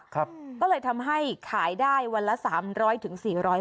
ก็เลยทำให้ขายได้วันละ๓๐๐๔๐๐บาทอย่างเดียว